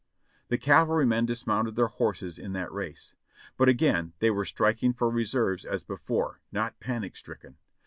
The cavalrymen discounted their horses in that race. But again they were striking for reserves as before, not panic stricken.